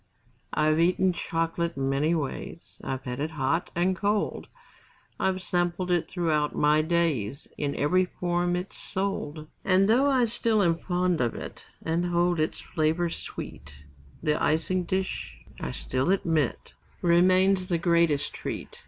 I've eaten chocolate many ways, I've had it hot and cold; I've sampled it throughout my days In every form it's sold. And though I still am fond of it, And hold its flavor sweet, The icing dish, I still admit, Remains the greatest treat.